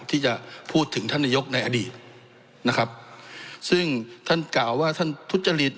ที่จะพูดถึงท่านนายกในอดีตนะครับซึ่งท่านกล่าวว่าท่านทุจริต